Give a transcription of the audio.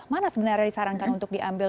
mana sebenarnya disarankan untuk diambil